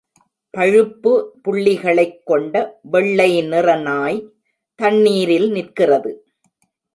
பழுப்பு புள்ளிகளைக் கொண்ட வெள்ளை நிற நாய் தண்ணீரில் நிற்கிறது.